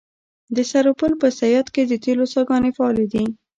د سرپل په صیاد کې د تیلو څاګانې فعالې دي.